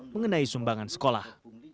mengenai sumbangan sekolah